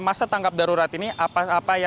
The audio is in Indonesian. masa tanggap darurat ini apa apa